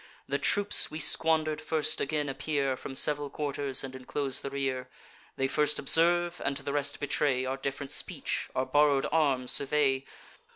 The troops we squander'd first again appear From several quarters, and enclose the rear. They first observe, and to the rest betray, Our diff'rent speech; our borrow'd arms survey.